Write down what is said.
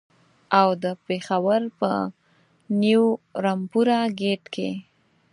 او د پېښور په نیو رمپوره ګېټ کې.